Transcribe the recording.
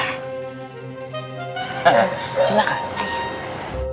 apa yang tidak bisa saya lakukan untuk adinda